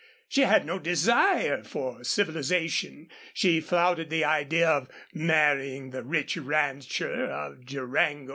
She had no desire for civilization, she flouted the idea of marrying the rich rancher of Durango.